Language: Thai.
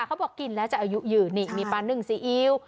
เขาบอกกินแล้วจะอายุยืนนี่มีปลานึ่งซีอิ๊ว